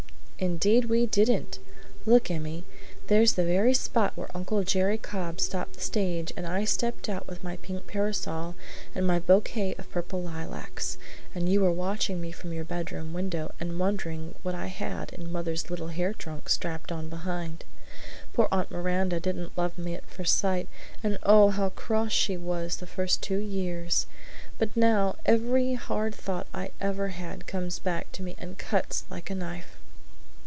"Indeed we didn't! Look, Emmy, there's the very spot where Uncle Jerry Cobb stopped the stage and I stepped out with my pink parasol and my bouquet of purple lilacs, and you were watching me from your bedroom window and wondering what I had in mother's little hair trunk strapped on behind. Poor Aunt Miranda didn't love me at first sight, and oh, how cross she was the first two years! But now every hard thought I ever had comes back to me and cuts like a knife!"